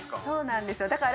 そうなんですよ